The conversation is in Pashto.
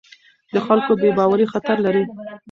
د خلکو بې باوري خطر لري